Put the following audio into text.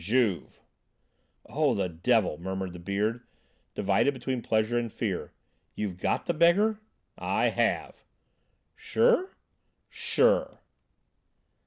"Juve." "Oh, the devil!" murmured the Beard, divided between pleasure and fear. "You've got the beggar?" "I have." "Sure?" "Sure."